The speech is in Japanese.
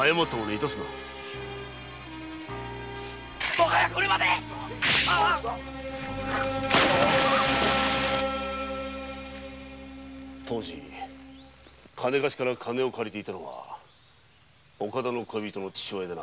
致すな当時金貸しから金を借りていたのは岡田の恋人の父親でな。